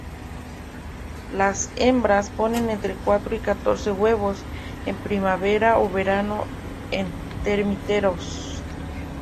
Las hembras ponen entre cuatro y catorce huevos, en primavera o verano, en termiteros.